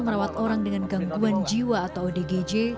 merawat orang dengan gangguan jiwa atau odgj